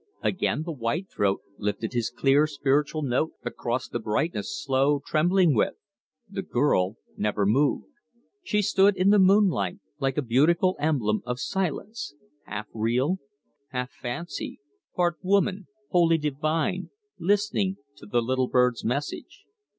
Again the white throat lifted his clear, spiritual note across the brightness, slow, trembling with. The girl never moved. She stood in the moonlight like a beautiful emblem of silence, half real, half fancy, part woman, wholly divine, listening to the little bird's message.